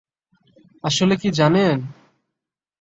আসলে কী জানেন?